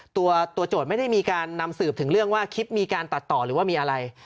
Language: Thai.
ตัวโจทย์ไม่ได้มีการนำสืบถึงเรื่องว่าคลิปมีการตัดต่อหรือว่ามีอะไร